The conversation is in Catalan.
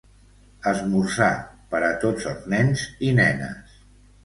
Esmorzar per a tots els nens i nenes.